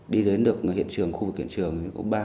đi đến được hiện trường khu vực hiện trường